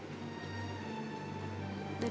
seperti apa yang kamu bilang